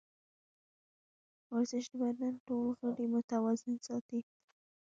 ورزش د بدن ټول غړي متوازن ساتي.